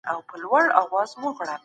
ټولنپوهنه په هغه څه ټينګار کوي چي پېښيږي.